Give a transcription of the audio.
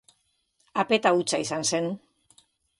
Apeta hutsa izan zen.